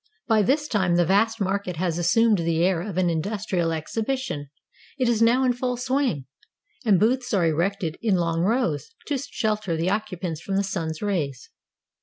By this time the vast market has assumed the air of an industrial exhibition. It is now in full swing, and booths are erected in long rows, to shelter the occu pants from the sim's rays.